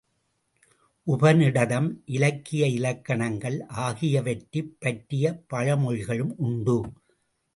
உபநிடதம், இலக்கிய இலக்கணங்கள் ஆகியவற்றைப் பற்றிய பழமொழிகளும் உண்டு.